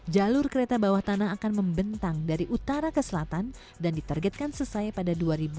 jalur kereta bawah tanah akan membentang dari utara ke selatan dan ditargetkan selesai pada dua ribu dua puluh